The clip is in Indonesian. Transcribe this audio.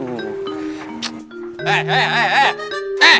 masakannya tim kokijilik memang tidak tadi